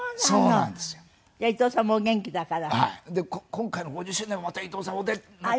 今回の５０周年もまた伊東さんお出になって。